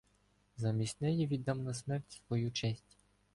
Замість неї віддам на смерть свою честь.